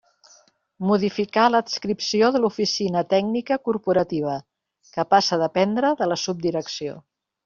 Modificar l'adscripció de l'Oficina Tècnica Corporativa, que passa a dependre de la Subdirecció.